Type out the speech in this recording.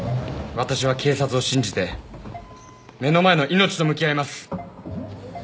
私は警察を信じて目の前の命と向き合います。